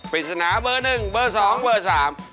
ปริศนาเบอร์หนึ่งเบอร์สองเบอร์สาม